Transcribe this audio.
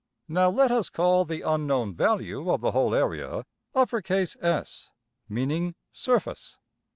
Now let us call the unknown value of the whole area~$S$, meaning surface.